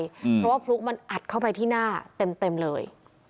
เพราะว่าพลุมันอัดเข้าไปที่หน้าเต็มเลย